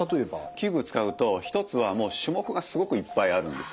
器具使うと一つはもう種目がすごくいっぱいあるんですよ。